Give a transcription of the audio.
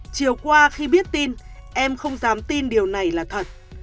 chiều qua khi biết tin em không dám tin điều này là thật